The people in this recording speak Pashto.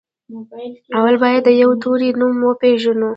اول بايد د يوه توري نوم وپېژنو.